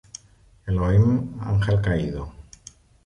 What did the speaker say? Elohim ángel caído.